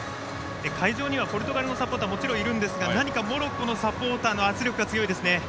会場にはポルトガルのサポーターもちろんいるんですがモロッコのサポーターの圧力が強いですね。